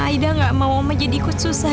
aida nggak mau oma jadi ikut susah